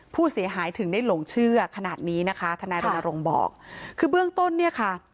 ผู้เสียหายถึงได้หลงเชื่อขนาดนี้นะคะทนายรณรงค์บอกคือเบื้องต้นเนี่ยค่ะ